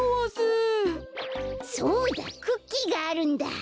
そうだクッキーがあるんだ。